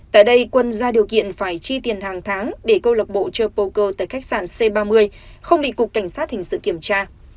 tại đây quân ra điều kiện phải chi tiền hàng tháng để câu lạc bộ trơ poker tại khách sạn c ba mươi không bị cục cảnh sát hình sự kiểm tra